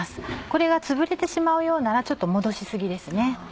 これがつぶれてしまうようならちょっと戻し過ぎですね。